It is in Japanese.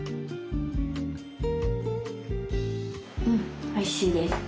うんおいしいです。